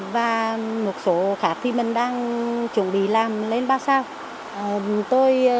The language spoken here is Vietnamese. và một số khác thì mình đang chuẩn bị làm lên ba sao